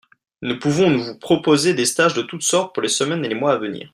nous pouvons vous proposer des stages de toutes sortes pour les semaines et les mois à venir.